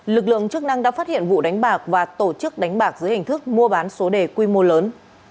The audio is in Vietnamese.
lực lượng chức năng đã phát hiện vụ đánh bạc và tổ chức đánh bạc dưới hình thức mua bán số đề quy mô lớn